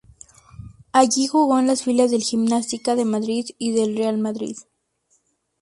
Allí jugó en las filas del Gimnástica de Madrid y del Real Madrid.